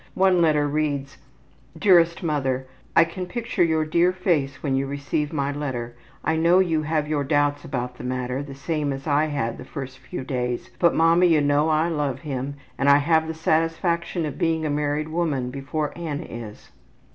One letter reads, ``Dearest Mother: I can picture your dear face when you receive my letter. I know you have your doubts about the matter, the same as I had the first few days. But mama, you know I love him and I have the satisfaction of being a married woman before Annie is.''